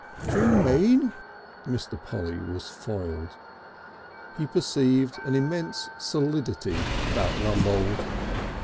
"D'you mean !" Mr. Polly was foiled. He perceived an immense solidity about Rumbold.